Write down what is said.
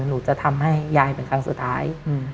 หนูจะทำให้ยายเป็นครั้งสุดท้าย